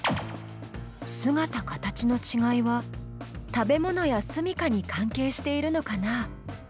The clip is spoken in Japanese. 姿形のちがいは食べ物や住みかに関係しているのかな？